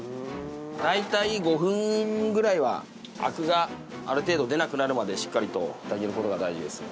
大体５分ぐらいはアクがある程度出なくなるまでしっかりとやってあげる事が大事です。